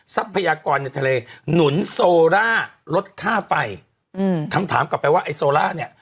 ทรัพยากรในทะเลหนุนโซล่าลดค่าไฟอืมคำถามกลับไปว่าไอ้โซล่าเนี่ย